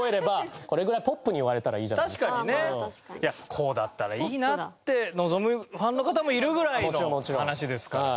こうだったらいいなあって望むファンの方もいるぐらいの話ですから。